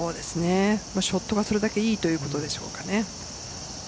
ショットがそれだけいいということでしょうか。